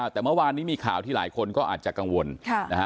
แต่เมื่อวานนี้มีข่าวที่หลายคนก็อาจจะกังวลนะฮะ